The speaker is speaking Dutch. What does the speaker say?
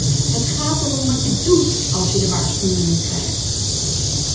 Het gaat erom wat je doet als je de waarschuwingen krijgt.